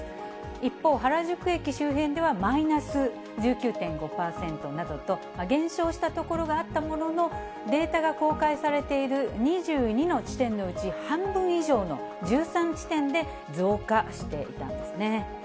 一方、原宿駅周辺ではマイナス１９．５％などと、減少した所があったものの、データが公開されている２２の地点のうち、半分以上の１３地点で増加していたんですね。